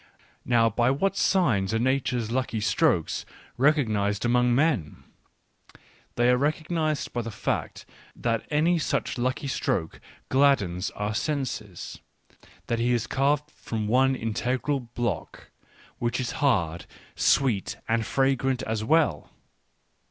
Now, by what signs are Nature's lucky strokes recognised among men ? They are recognised by the fact that any such lucky stroke gladdens our senses ; that he is carved from one integral block, which is hard, sweet, and fragrant as well.